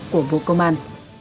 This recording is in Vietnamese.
của bộ công an